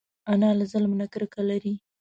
انا له ظلم نه کرکه لري